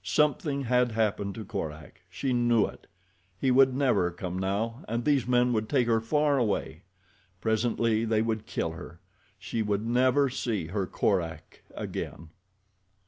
Something had happened to Korak. She knew it. He would never come now, and these men would take her far away. Presently they would kill her. She would never see her Korak again.